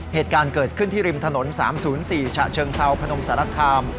เหตุการณ์เกิดขึ้นที่ริมถนน๓๐๔ฉะเชิงเซาพนมสารคาม